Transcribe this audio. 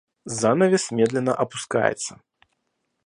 Занавес медленно опускается.